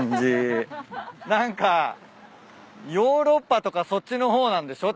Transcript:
何かヨーロッパとかそっちの方なんでしょ？